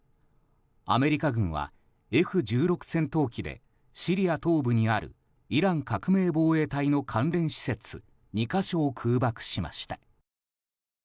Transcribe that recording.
アメリカ軍はＦ１６戦闘機でシリア東部にあるイラン革命防衛隊の関連施設２か所を空爆しました。